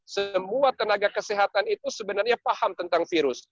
semua tenaga kesehatan itu sebenarnya paham tentang virus